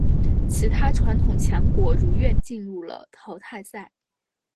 其他传统强国如愿进入了淘汰赛。